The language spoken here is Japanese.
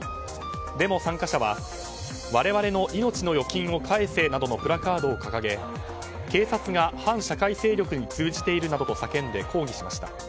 デモ参加者は我々の命の預金を返せ！などのプラカードを掲げ警察が反社会勢力に通じているなどと叫んで抗議しました。